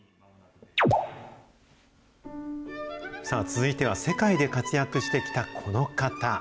続いては、世界で活躍してきたこの方。